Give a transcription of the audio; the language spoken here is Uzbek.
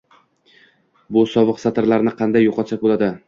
Bu sovuq satrlarni qanday yo‘qotsak bo‘ladi?